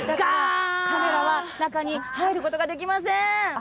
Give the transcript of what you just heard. カメラは中に入ることができません。